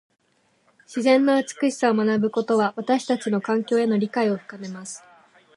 自然の美しさを学ぶことは、私たちの環境への理解を深めます。